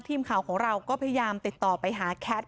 ทีมข่าวของเราก็พยายามติดต่อไปหาแคท